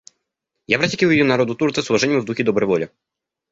Я протягиваю ее народу Турции, с уважением и в духе доброй воли.